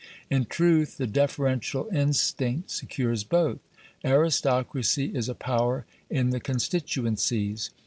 In truth, the deferential instinct secures both. Aristocracy is a power in the "constituencies".